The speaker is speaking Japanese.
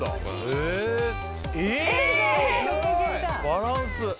バランス。